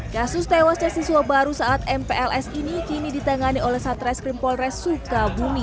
kasus tewasnya siswa baru saat mpls ini kini ditangani oleh satreskrim polres sukabumi